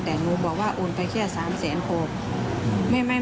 แต่หนูบอกว่าโอนไปแค่สามแสนโทรศัพท์